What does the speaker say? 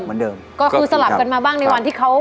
เหมือนเดิมก็คือสลับกันมาบ้างในวันที่เขา